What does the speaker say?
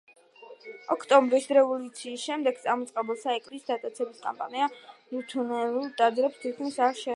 ოქტომბრის რევოლუციის შემდეგ წამოწყებული საეკლესიო ფასეულობების დატაცების კამპანია ლუთერანულ ტაძრებს თითქმის არ შეხებია.